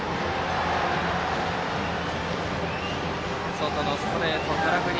外のストレート、空振り。